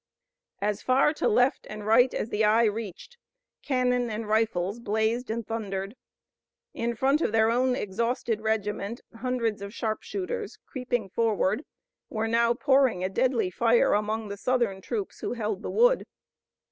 As far to left and right as the eye reached, cannon and rifles blazed and thundered. In front of their own exhausted regiment hundreds of sharpshooters, creeping forward, were now pouring a deadly fire among the Southern troops who held the wood.